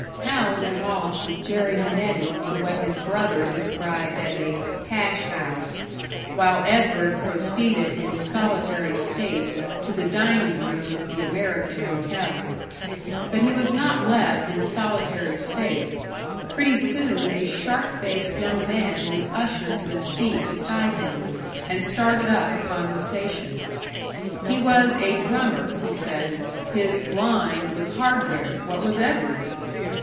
Hal went off with Jerry Minetti to what his brother described as a "hash house," while Edward proceeded in solitary state to the dining room of the American Hotel. But he was not left in solitary state; pretty soon a sharp faced young man was ushered to a seat beside him, and started up a conversation. He was a "drummer," he said; his "line" was hardware, what was Edward's?